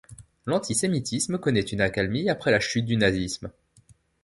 L'antisémitisme connait une accalmie après la chute du nazisme.